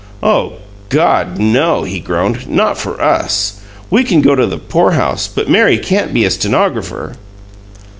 "Oh God, no!" he groaned. "Not for us! We can go to the poorhouse, but Mary can't be a stenographer!"